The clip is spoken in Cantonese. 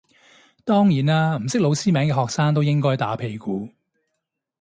當然啦唔識老師名嘅學生都係應該打屁股